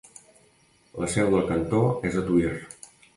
La seu del cantó és a Tuïr.